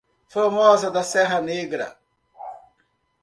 Formosa da Serra Negra